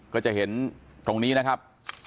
ก็จะเห็นตรงนี้นะครับ